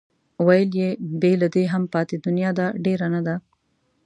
ویل یې بې له دې هم پاتې دنیا ده ډېره نه ده.